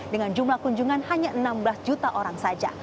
dengan jumlah kunjungan hanya enam belas juta orang saja